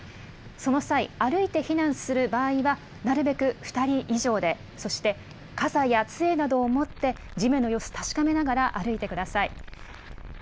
その際、歩いて避難する場合はなるべく２人以上で、そして、傘やつえなどを持って、地面の様子、確かめながら歩いてください。